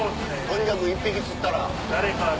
とにかく１匹釣ったら。